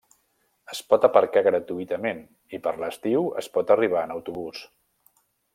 Es pot aparcar gratuïtament, i per l'estiu es pot arribar en autobús.